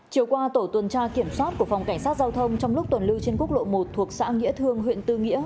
chiều qua tổ tuần tra kiểm soát của phòng cảnh sát giao thông trong lúc tuần lưu trên quốc lộ một thuộc xã nghĩa thương huyện tư nghĩa